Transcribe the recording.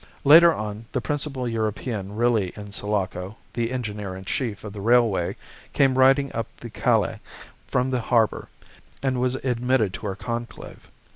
Later on, the principal European really in Sulaco, the engineer in chief of the railway, came riding up the Calle, from the harbour, and was admitted to our conclave.